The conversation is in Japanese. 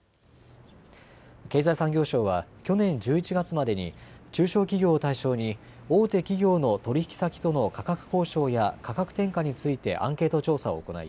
経済産業省は去年１１月までに中小企業を対象に大手企業の取引先との価格交渉や価格転嫁についてアンケート調査を行い